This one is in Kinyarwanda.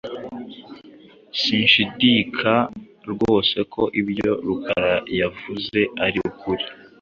Sinshidikaa rwose ko ibyo Rukara yavuze ari ukuri.